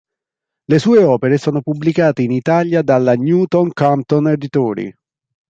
Le sue opere sono pubblicate in Italia dalla Newton Compton Editori.